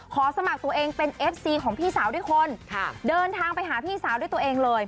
สมัครตัวเองเป็นเอฟซีของพี่สาวด้วยคนเดินทางไปหาพี่สาวด้วยตัวเองเลย